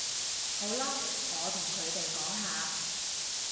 好啦，我同佢哋講吓